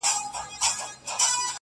زه بې له تا گراني ژوند څه كومه~